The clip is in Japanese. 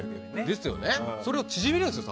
それを縮めるんですよ。